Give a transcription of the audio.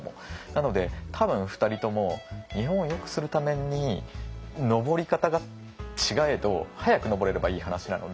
なので多分２人とも日本をよくするために登り方が違えど早く登れればいい話なので。